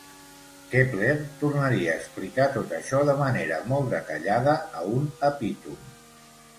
Kepler tornaria a explicar tot això, de manera molt detallada, a un epítom.